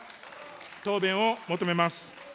答弁を求めます。